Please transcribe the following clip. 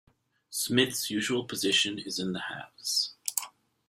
Smith's usual position is in the halves.